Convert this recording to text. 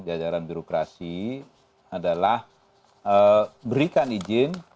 jajaran birokrasi adalah berikan izin